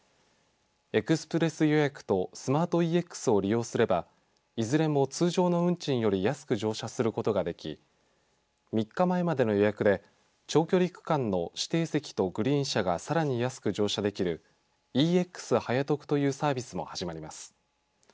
エクスプレス予約とスマートＥＸを利用すればいずれも通常の運賃より安く乗車することができ３日前までの予約で長距離区間の指定席とグリーン車がさらに安く乗車できるＥＸ早得というサービスも始まります。